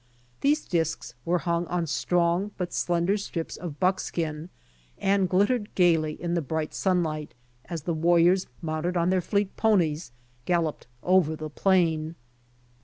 These discs were hung on strong but slender strips of buckskin, and glittered gaily in the bright sun light, as the warriors, mounted on their fleet ponies galloped over the plain.